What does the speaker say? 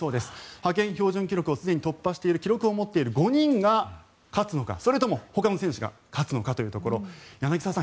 派遣標準記録をすでに突破している５人が勝つのかそれともほかの選手が勝つのかというところ柳澤さん